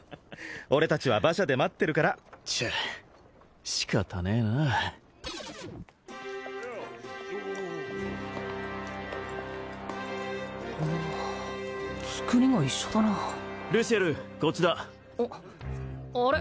俺達は馬車で待ってるからチェッ仕方ねえな造りが一緒だなルシエルこっちだあれ？